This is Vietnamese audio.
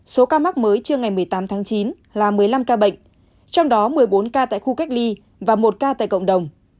số ca mắc mới trưa ngày một mươi tám tháng chín là một mươi năm ca bệnh trong đó một mươi bốn ca tại khu cách ly và một ca tại cộng đồng